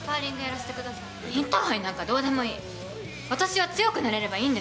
インターハイなんかどうでもいい。